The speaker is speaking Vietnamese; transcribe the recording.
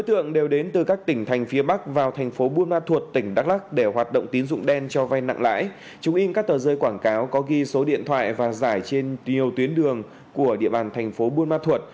công an tp buôn ma thuột tỉnh đắk lắc vừa bắt xử lý bốn đối tượng theo quy định pháp luật